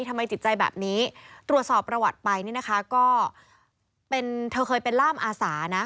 ทำไมจิตใจแบบนี้ประวัติไปเขาเคยเป็นล่ามอาสานะ